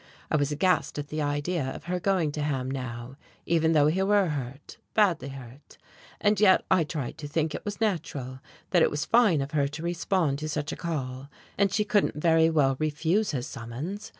I was aghast at the idea of her going to Ham now even though he were hurt badly hurt; and yet I tried to think it was natural, that it was fine of her to respond to such a call. And she couldn't very well refuse his summons.